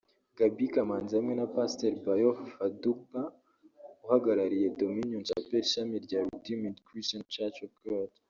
Gaby Kamanzi hamwe na Pastor Bayo Fadugba uhagarariye Dominion Chapel ishami rya Redeemed Christian Church of God